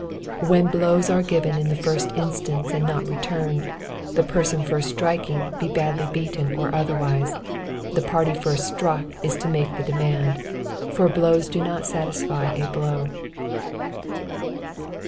When blows are given in the first instance and not returned, and the person first striking, be badly beaten or otherwise, the party first struck is to make the demand, for blows do not satisfy a blow.